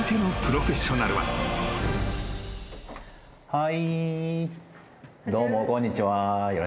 はい。